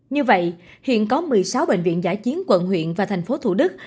như vậy hiện có một mươi sáu bệnh viện giải chiến quận huyện và thành phố thủ đức